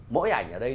mỗi ảnh ở đây